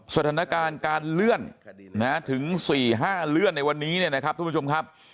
สถานการณ์การเลื่อนถึง๔๕เลื่อนในวันนี้เนี่ยนะครับทุกผู้ชมครับ